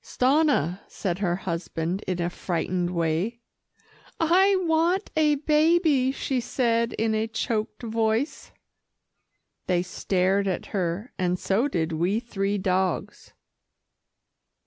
"Stanna," said her husband in a frightened way. "I want a baby," she said in a choked voice. They stared at her, and so did we three dogs.